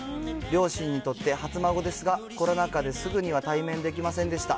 両親にとって初孫ですが、コロナ禍ですぐには対面できませんでした。